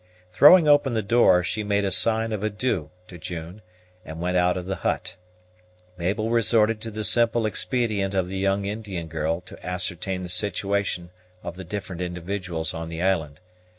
Throwing open the door, she made a sign of adieu to June, and went out of the hut. Mabel resorted to the simple expedient of the young Indian girl to ascertain the situation of the different individuals on the island.